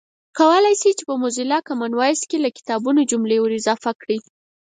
کولای شئ چې په موزیلا کامن وایس کې له کتابونو جملې ور اضافه کړئ